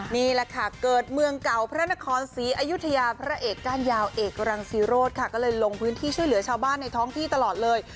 นี่แหละค่ะเกิดเมืองเก่าพระนครศรีอยุธยาพระเอกก้านยาวเอกรังซีโรธค่ะก็เลยลงพื้นที่ช่วยเหลือชาวบ้านในท้องที่ตลอดเลย